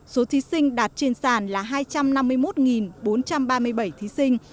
số thí sinh đạt trên sàn là hai trăm năm mươi một bốn trăm ba mươi bảy thí sinh